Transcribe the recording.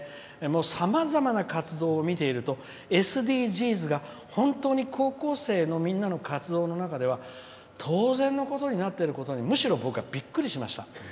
さまざまな活動を見ているとＳＤＧｓが本当に高校生のみんなの活動の中では当然のことになってることにむしろ僕はびっくりしました。